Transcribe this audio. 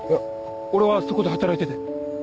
俺はそこで働いてて。